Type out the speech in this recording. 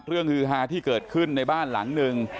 ฮือฮาที่เกิดขึ้นในบ้านหลังหนึ่ง